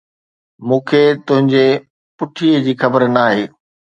مون کي تنهنجي پٺي جي خبر ناهي!